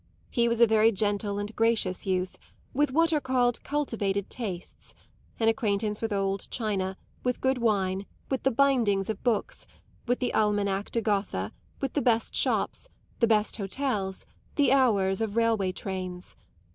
He was a very gentle and gracious youth, with what are called cultivated tastes an acquaintance with old china, with good wine, with the bindings of books, with the Almanach de Gotha, with the best shops, the best hotels, the hours of railway trains.